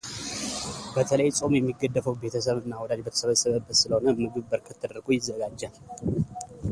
በተለይ ጾም የሚገደፈው ቤተሰብ እና ወዳጅ በተሰበሰበበት ስለሆነ ምግብ በርከት ተደርጎ ይዘጋጃል።